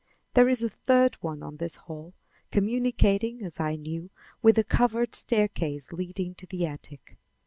There is a third one on this hall, communicating, as I knew, with a covered staircase leading to the attic.